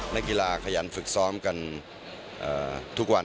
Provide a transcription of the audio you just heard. นักกีฬาขยันฝึกซ้อมกันทุกวัน